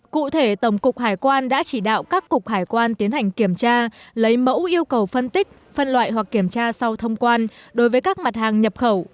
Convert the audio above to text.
cụ thể tổng cục hải quan đã chỉ đạo các cục hải quan tiến hành kiểm tra lấy mẫu yêu cầu phân tích phân loại hoặc kiểm tra sau thông quan đối với các mặt hàng nhập khẩu